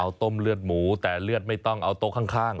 เอาต้มเลือดหมูแต่เลือดไม่ต้องเอาโต๊ะข้าง